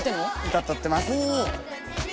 歌歌ってます！